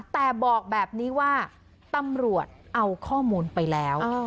แต่บอกแบบนี้ว่าตำรวจเอาข้อมูลไปแล้ว